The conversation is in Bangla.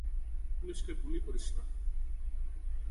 পুলিশকে গুলি করিস না!